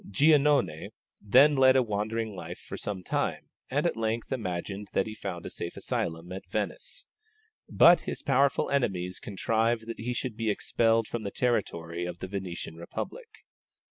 Giannone then led a wandering life for some time, and at length imagined that he had found a safe asylum at Venice. But his powerful enemies contrived that he should be expelled from the territory of the Venetian republic.